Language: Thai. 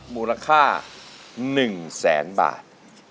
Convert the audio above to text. มูลค่าหนึ่งแสนบาท